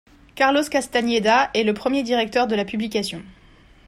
Carlos Castañeda est le premier directeur de la publication.